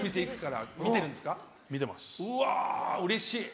うわうれしい。